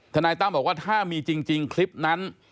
นายตั้มบอกว่าถ้ามีจริงคลิปนั้น